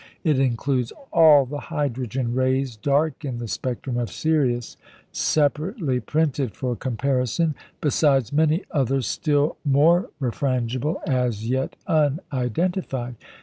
It includes all the hydrogen rays dark in the spectrum of Sirius (separately printed for comparison), besides many others still more refrangible, as yet unidentified.